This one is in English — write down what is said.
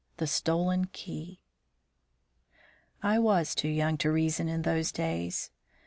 THE STOLEN KEY. I was too young to reason in those days.